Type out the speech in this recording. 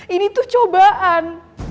ini tuh cobaan